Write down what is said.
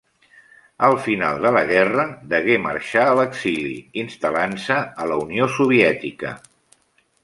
Al final de la guerra degué marxar a l'exili, instal·lant-se a la Unió Soviètica.